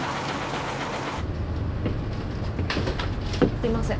すいません。